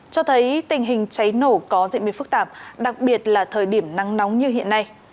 cho thấy tình hình cháy nổ có diễn biến phức tạp đặc biệt là thời điểm nắng nóng như hiện nay